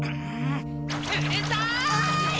うるさい！